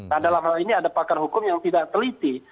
nah dalam hal ini ada pakar hukum yang tidak teliti